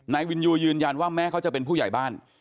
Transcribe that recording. นายวินยูยืนยันว่าแม้เขาจะเป็นผู้ใหญ่บ้าน